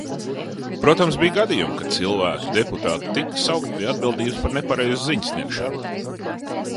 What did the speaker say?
Protams, bija gadījumi, ka cilvēki, deputāti, tika saukti pie atbildības par nepareizu ziņu sniegšanu.